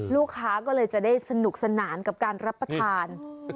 ลูกค้าก็เลยจะได้สนุกสนานกับการรับประทาน